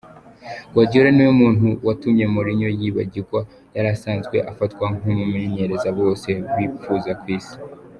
Guardiola niwe muntu yatumye Mourinho yibagigwa, yarasanzwe afatwa nk'umumenyereza bose bipfuza kw'isi.